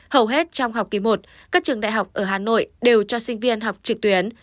hầu hết trong học kỳ một các trường đại học ở hà nội đều cho sinh viên học trực tuyến